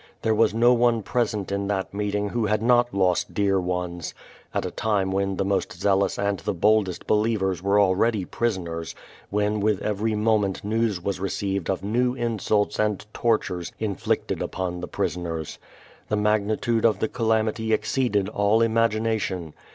There was no one present in that meeting who had not lost dear ones at a time when the most zealous and the boldest believers were already pris oners, when with every moment news was received of new insults and tortures inflicted upon the prisoners. Tlie mag nitude of the calamity exceeded all imagination.